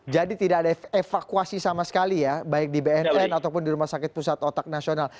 jadi tidak ada evakuasi sama sekali ya baik di bnn ataupun di rumah sakit pusat otak nasional